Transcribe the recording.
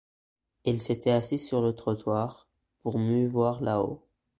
Elle s'était assise sur le trottoir, pour mieux voir là-haut.